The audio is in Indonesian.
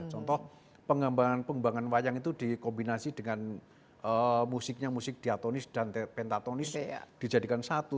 contoh pengembangan pengembangan wayang itu dikombinasi dengan musiknya musik diatonis dan pentatonis dijadikan satu